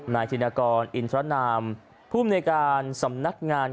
นายทินากรอินทรนามผู้มนตร์ในการสำนักงาน